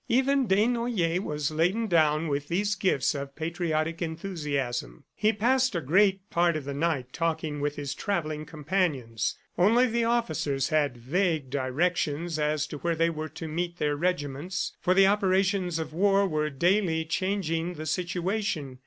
Even Desnoyers was laden down with these gifts of patriotic enthusiasm. He passed a great part of the night talking with his travelling companions. Only the officers had vague directions as to where they were to meet their regiments, for the operations of war were daily changing the situation.